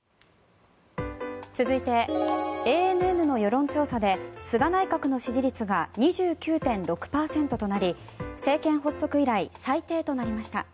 続いてＡＮＮの世論調査で菅内閣の支持率が２９．６％となり政権発足以来最低となりました。